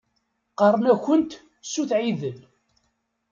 Qqaṛen-akunt Sut Ɛidel.